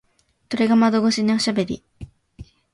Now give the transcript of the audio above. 鳥が窓越しにおしゃべり。